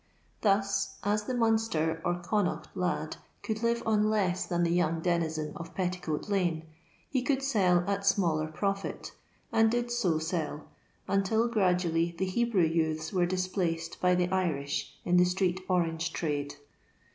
Thus, as the Munster or Connaught lad could live on lets than the young denizen of Petticoat lane, he could sell at smaller profit, and did so sell, until gradually the Hebrew youths were displaced by the Irish in the street orange trade.